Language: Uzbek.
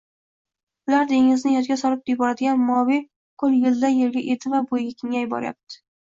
Ulkan dengizni yodga solib yuboradigan moviy koʻl yildan-yilga eni va boʻyiga kengayib boryapti